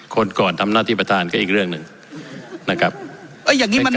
ก่อนทำหน้าที่ประธานก็อีกเรื่องหนึ่งนะครับเอ้ยอย่างงี้มัน